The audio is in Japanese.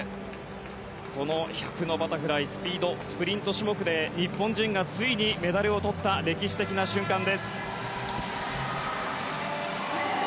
この１００のバタフライスピード、スプリント種目で日本人がついにメダルをとった歴史的な瞬間です。